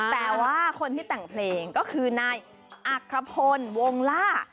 แต่ว่าคนที่แต่งเพลงก็คือนายอัครพลวงล่า